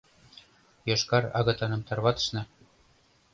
Йошкар агытаным тарватышна.